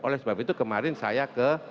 oleh sebab itu kemarin saya ke